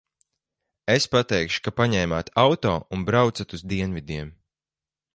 Es pateikšu, ka paņēmāt auto un braucat uz dienvidiem.